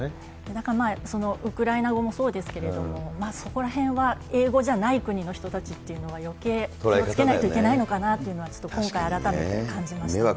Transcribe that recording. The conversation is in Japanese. だからまあ、ウクライナ語もそうですけれども、そこらへんは英語じゃない国の人たちというのは、よけい、気をつけないといけないのかなっていうのは、ちょっと今回、改めて感じました。